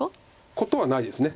ことはないです。